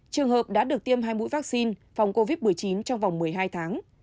trường hợp đã được tiêm hai mũi vaccine phòng covid một mươi chín trong vòng một mươi hai tháng